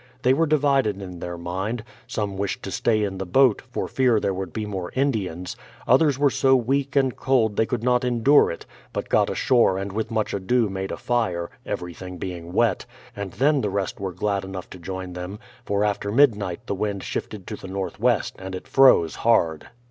They were divided in their mind; some w'ished to stay in the boat, for fear there would be more Indians; others were so weak and cold they could not endure it, but got ashore and with much ado made a fire — everything being wet, — and then the rest were glad enough to join them; for after midnight the wind shifted to the north west and it froze hard.